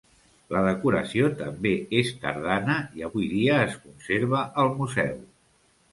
La decoració també és tardana i avui dia es conserva al museu.